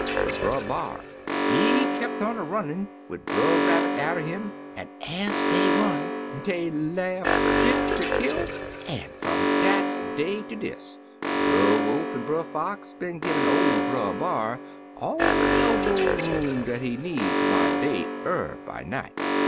But Brer B'ar, he kep' on a runnin', wid Brer Rabbit atter him, an' ez dey run, dey laugh fit ter kill; an' fum dat day ter dis. Brer Wolf an' Brer Fox been givin' ol' Brer B'ar all de elbow room dat he needs by day er by night."